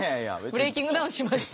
ブレイキングダウンしました？